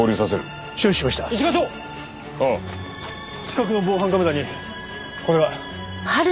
近くの防犯カメラにこれが。